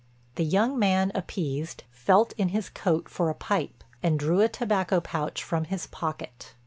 The young man appeased, felt in his coat for a pipe and drew a tobacco pouch from his pocket.